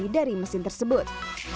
dan juga dari mesin tersebut